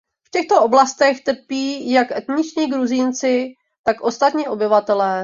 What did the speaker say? V těchto oblastech trpí jak etničtí Gruzínci, tak ostatní obyvatelé.